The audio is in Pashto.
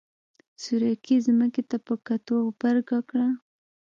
سورکي ځمکې ته په کتو غبرګه کړه.